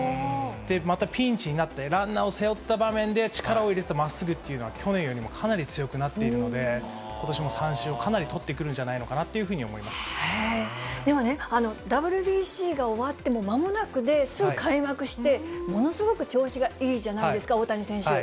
またピンチになってランナーを背負った場面で、力を入れてまっすぐというのは、去年よりもかなり強くなっているので、ことしも三振をかなり取ってくるんじゃないのかなっていうふうにでもね、ＷＢＣが終わってもまもなくで、すぐ開幕して、ものすごく調子がいいじゃないですか、大谷選手。